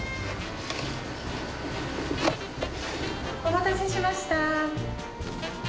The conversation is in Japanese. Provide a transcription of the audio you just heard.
お待たせしました。